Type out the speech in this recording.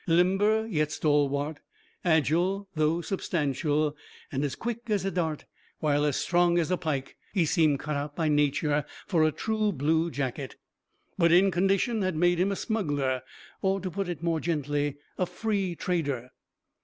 Limber yet stalwart, agile though substantial, and as quick as a dart while as strong as a pike, he seemed cut out by nature for a true blue jacket; but condition had made him a smuggler, or, to put it more gently, a free trader.